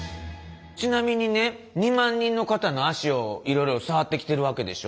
ちなみにね２万人の方の足をいろいろ触ってきてるわけでしょ？